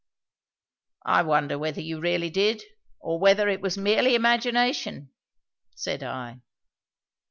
"I wonder whether you really did, or whether it was merely imagination," said I.